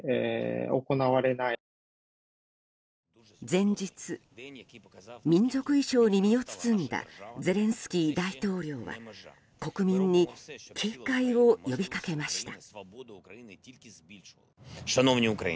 前日、民族衣装に身を包んだゼレンスキー大統領は国民に警戒を呼びかけました。